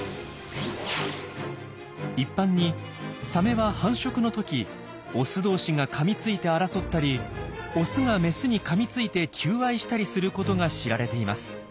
一般にサメは繁殖の時オス同士がかみついて争ったりオスがメスにかみついて求愛したりすることが知られています。